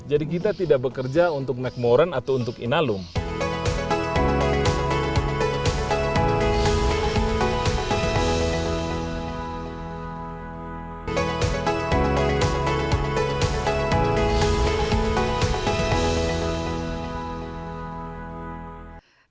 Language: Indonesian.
jadi kita tidak bekerja untuk mac moran atau untuk inalung